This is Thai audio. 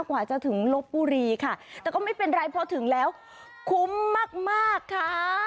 กว่าจะถึงลบบุรีค่ะแต่ก็ไม่เป็นไรพอถึงแล้วคุ้มมากมากค่ะ